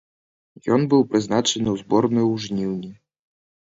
Ён быў прызначаны ў зборную ў жніўні.